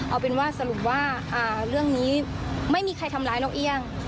เอาเป็นว่าสรุปว่าเรื่องนี้ไม่มีใครทำร้ายนกเอี่ยง